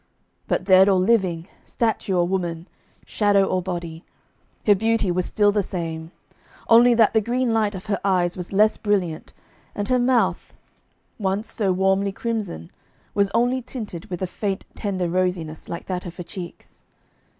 But dead or living, statue or woman, shadow or body, her beauty was still the same, only that the green light of her eyes was less brilliant, and her mouth, once so warmly crimson, was only tinted with a faint tender rosiness, like that of her cheeks.